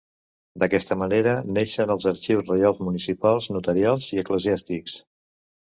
D'aquesta manera, neixen els arxius reials, municipals, notarials i eclesiàstics.